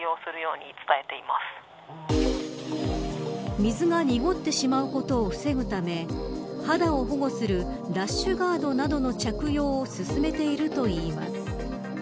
水が濁ってしまうことを防ぐため肌を保護するラッシュガードなどの着用を薦めているといいます。